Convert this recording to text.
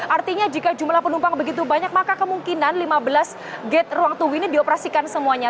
artinya jika jumlah penumpang begitu banyak maka kemungkinan lima belas gate ruang tunggu ini dioperasikan semuanya